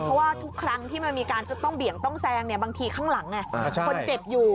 เพราะว่าทุกครั้งที่มันมีการจะต้องเบี่ยงต้องแซงบางทีข้างหลังคนเจ็บอยู่